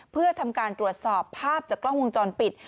เพื่อทำการตรวจสอบภาพจากกล้องวงจรปิด